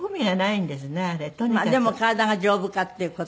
でも体が丈夫かっていう事。